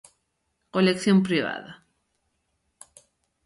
Colección privada.